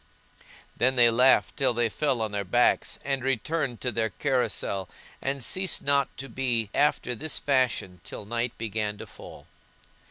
Then laughed they till they fell on their backs, and returned to their carousel, and ceased not to be after this fashion till night began to fall.